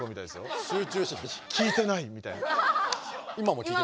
「聞いてない」みたいな。